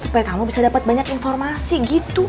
supaya kamu bisa dapat banyak informasi gitu